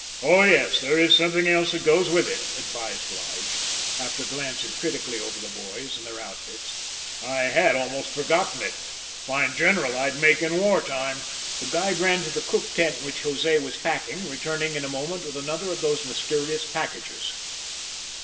"Oh, yes; there is something else that goes with it," advised Lige, after glancing critically over the boys and their outfits. "I had almost forgotten it. Fine general I'd make in war time!" The guide ran to the cook tent which Jose was packing, returning in a moment with another of those mysterious packages.